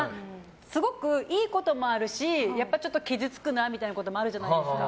すごくいいこともあるし傷つくなみたいなこともあるじゃないですか。